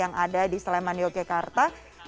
yang ada di sleman yogyakarta